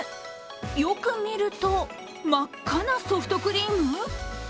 よく見ると、真っ赤なソフトクリーム？